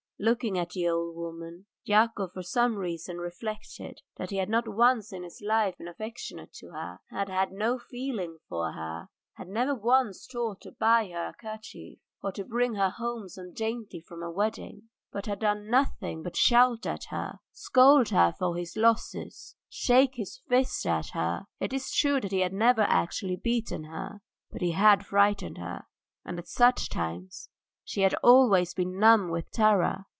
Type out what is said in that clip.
Looking at the old woman, Yakov for some reason reflected that he had not once in his life been affectionate to her, had had no feeling for her, had never once thought to buy her a kerchief, or to bring her home some dainty from a wedding, but had done nothing but shout at her, scold her for his losses, shake his fists at her; it is true he had never actually beaten her, but he had frightened her, and at such times she had always been numb with terror.